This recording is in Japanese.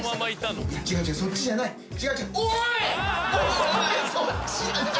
おい！